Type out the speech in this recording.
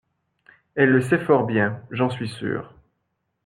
Elle le sait fort bien, j’en suis sûr.